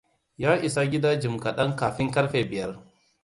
Ya isa gida jim kaɗan kafin ƙarfe biyar.